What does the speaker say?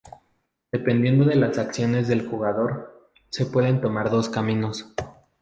Dependiendo de las acciones del jugador, se pueden tomar dos camino.